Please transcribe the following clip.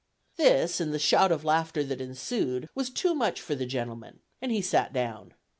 This, and the shout of laughter that ensued, was too much for the gentleman, and he sat down.